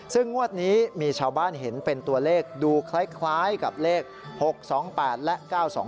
ซึ่งงวดนี้มีชาวบ้านเห็นเป็นตัวเลขดูคล้ายกับเลข๖๒๘และ๙๒